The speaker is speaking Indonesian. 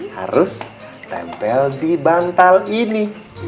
harus tempel di bantal ini